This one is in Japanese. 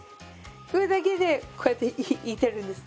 グーだけでこうやっていってるんです。